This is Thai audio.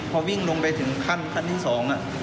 พอวิ่งลงไปถึงขั้นขั้นขั้นที่สอง